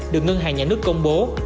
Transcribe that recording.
được ngân hàng nhà nước công bố